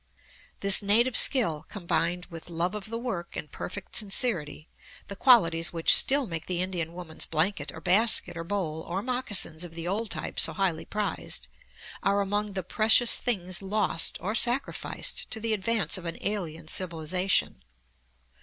This native skill combined with love of the work and perfect sincerity the qualities which still make the Indian woman's blanket or basket or bowl or moccasins of the old type so highly prized are among the precious things lost or sacrificed to the advance of an alien civilization.